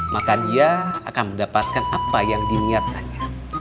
maka dia akan mendapatkan apa yang diniatkannya